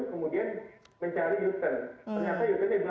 nah kemudian yang jauh b nya itu ingin berpindah ke jauh a